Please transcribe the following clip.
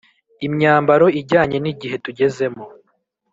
imyambaro ijyanye n igihe tugezemo